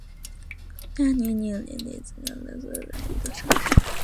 达利涅列琴斯克是俄罗斯滨海边疆区的一座城市。